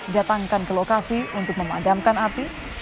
datangkan ke lokasi untuk memadamkan api